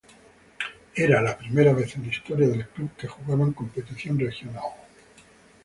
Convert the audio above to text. Era la primera vez en la historia del club que jugaban competición regional.